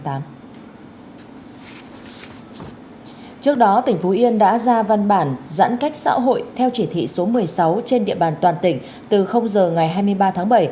trước đó tỉnh phú yên đã ra văn bản giãn cách xã hội theo chỉ thị số một mươi sáu trên địa bàn toàn tỉnh từ giờ ngày hai mươi ba tháng bảy